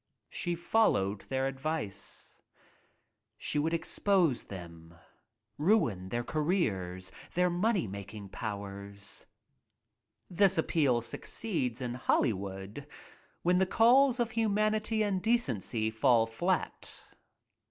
She followed their advice. She would expose them — ruin their careers, their money making powers. This appeal succeeds in Hollywood when the calls of humanity and decency fall flat.